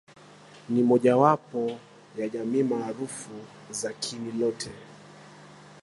Ni mojawapo ya jamii maarufu za Kinilote